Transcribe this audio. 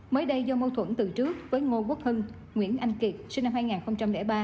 mới đây do mâu thuẫn từ trước với ngô quốc hưng nguyễn anh kiệt sinh năm hai nghìn ba